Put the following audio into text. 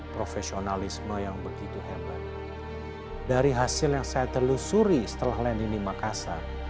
profesionalisme yang begitu hebat dari hasil yang saya telusuri setelah landing di makassar